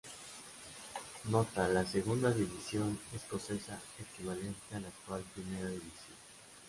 Nota: la Segunda división escocesa equivalente a la actual Primera división.